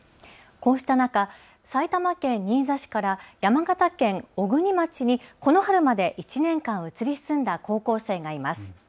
こうした中、埼玉県新座市から山形県小国町にこの春まで１年間移り住んだ高校生がいます。